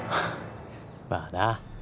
まあな